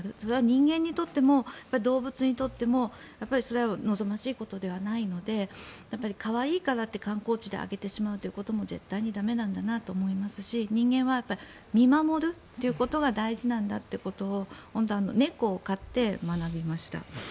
人間にとっても動物にとってもそれは望ましいことではなくて可愛いからって観光地であげてしまうことも絶対に駄目なんだなと思いますし人間は見守るということが大事なんだってことを猫を飼って学びました。